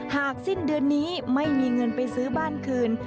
สิ้นเดือนนี้ไม่มีเงินไปซื้อบ้านคืน